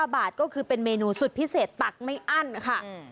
๕บาทก็คือเป็นเมนูสุดพิเศษตักไม่อั้นค่ะ